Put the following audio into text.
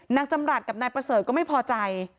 จำรัฐกับนายประเสริฐก็ไม่พอใจ